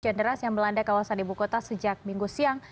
jenderas yang melanda kawasan ibu kota sejak minggu siang